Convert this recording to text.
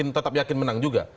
tetap yakin menang juga